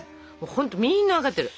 ほんとみんな分かってる。